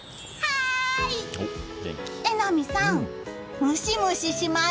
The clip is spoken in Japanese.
榎並さん、ムシムシします！